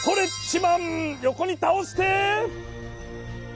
よこにたおして。